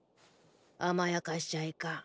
甘やかしちゃいかん。